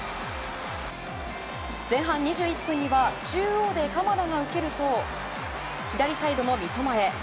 前半２１分には中央で鎌田が受けると左サイドの三笘へ。